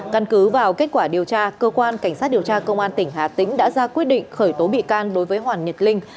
căn cứ vào kết quả điều tra cơ quan cảnh sát điều tra công an tỉnh hà tĩnh đã ra quyết định khởi tố bị can đối với hoàng nhật linh